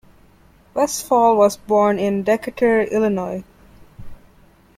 Westfall was born in Decatur, Illinois.